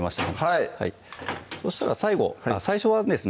いそしたら最初はですね